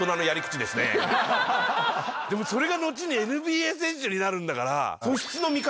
でもそれが後にＮＢＡ選手になるんだから。